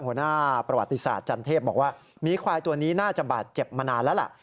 หัวหน้าประวัติศาสตร์จันเทพบอกว่าหมีควายตัวนี้น่าจะบาดเจ็บมานานแล้วล่ะ